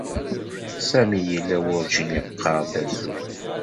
Sami yella werǧin yeqqar-d azul.